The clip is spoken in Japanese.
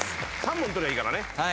３問取りゃいいからね。